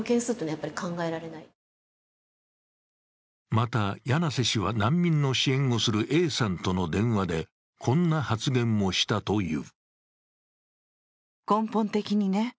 また、柳瀬氏は、難民の支援をするＡさんとの電話でこんな発言もしたという。